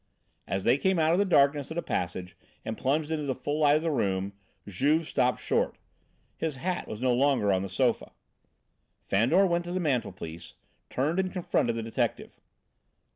As they came out of the darkness of the passage and plunged into the full light of the room, Juve stopped short. His hat was no longer on the sofa. Fandor went to the mantelpiece, turned and confronted the detective.